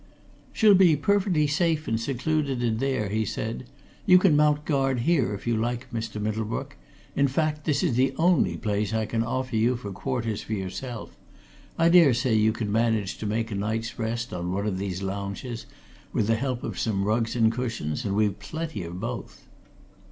"She'll be perfectly safe and secluded in there," he said. "You can mount guard here if you like, Mr. Middlebrook in fact, this is the only place I can offer you for quarters for yourself I dare say you can manage to make a night's rest on one of these lounges, with the help of some rugs and cushions, and we've plenty of both."